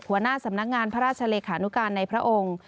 หัวหน้าสำนักงานพระราชเลขานุการในพระองค์